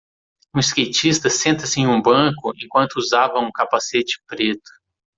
Um skatista senta-se em um banco enquanto usava um capacete preto.